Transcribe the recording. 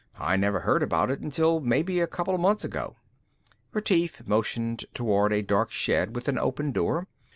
I never heard about it until maybe a couple months ago." Retief motioned toward a dark shed with an open door.